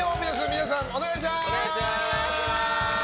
皆さん、お願いします！